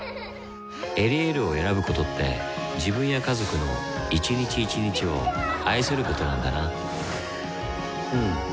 「エリエール」を選ぶことって自分や家族の一日一日を愛することなんだなうん。